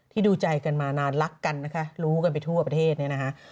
ดูใจกันมานานรักกันนะคะรู้กันไปทั่วประเทศเนี่ยนะคะ